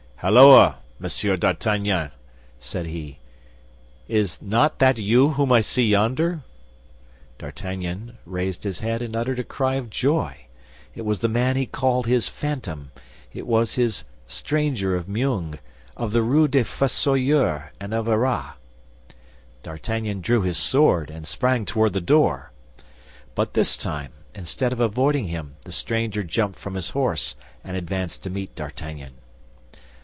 "Holloa, Monsieur d'Artagnan!" said he, "is not that you whom I see yonder?" D'Artagnan raised his head and uttered a cry of joy. It was the man he called his phantom; it was his stranger of Meung, of the Rue des Fossoyeurs and of Arras. D'Artagnan drew his sword, and sprang toward the door. But this time, instead of avoiding him the stranger jumped from his horse, and advanced to meet D'Artagnan.